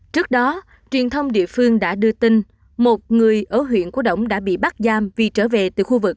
trước đó truyền thông địa phương đã đưa tin một người ở huyện cổ động đã bị bắt giam vì trở về từ khu vực